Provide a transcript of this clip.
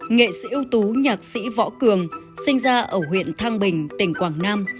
nghệ sĩ ưu tú nhạc sĩ võ cường sinh ra ở huyện thang bình tỉnh quảng nam